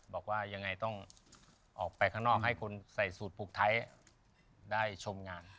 บอกว่ายังไงต้องออกไปข้างนอกให้คนใส่สูตรผูกไทยได้ชมงาน